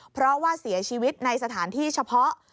เพราะว่าเสียชีวิตในสถานที่เฉพาะ